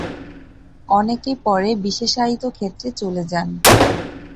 অনেকে পরে বিশেষায়িত ক্ষেত্রে চলে যান।